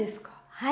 はい。